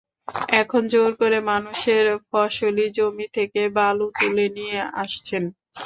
এখন জোর করে মানুষের ফসলি জমি থেকে বালু তুলে নিয়ে আসছেন।